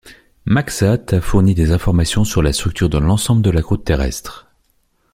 Magsat a fourni des informations sur la structure de l'ensemble de la croute terrestre.